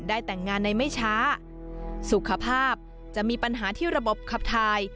แต่งงานในไม่ช้าสุขภาพจะมีปัญหาที่ระบบขับทาย